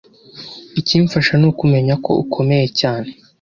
ikimfasha ni ukumenya ko ukomeye cyane.